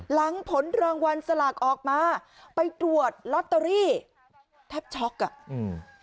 หลังผลรางวัลสลากออกมาไปตรวจลอตเตอรี่แทบช็อกอ่ะอืม